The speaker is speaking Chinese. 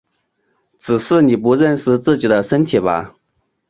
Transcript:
只是你不认识自己的身体吧！